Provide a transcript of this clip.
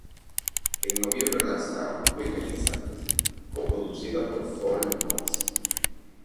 En noviembre lanzaron "Queen Elizabeth", coproducida por "Foreign Noi$e".